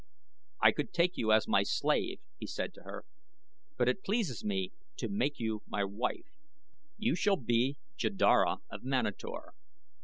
"I could take you as my slave," he said to her; "but it pleases me to make you my wife. You shall be Jeddara of Manator.